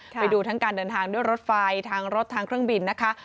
ไปดูทั้งการเดินทางด้วยรถไฟทางรถทางเครื่องบินนะคะ